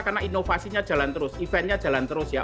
karena inovasinya jalan terus eventnya jalan terus ya